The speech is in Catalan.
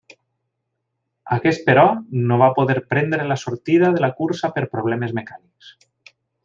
Aquest però, no va poder prendre la sortida de la cursa per problemes mecànics.